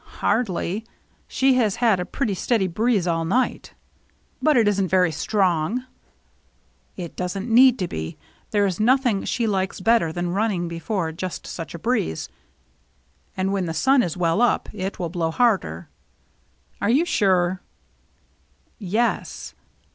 " Hardly. She has had a pretty steady breeze all night." " But it isn't very strong." " It doesn't need to be. There is nothing she likes better than running before just such a breeze. And when the sun is well up, it will blow harder." " Are you sure ?" "Yes."